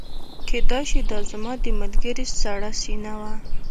کیدای شي دا زما د ملګري سړه سینه وه